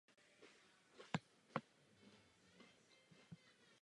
Rád bych se tedy zeptal na kvalitu zaměstnanců evropských institucí.